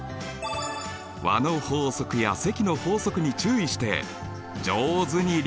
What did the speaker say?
和の法則や積の法則に注意して上手に利用しましょう。